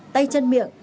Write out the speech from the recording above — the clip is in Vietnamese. tay chân miệng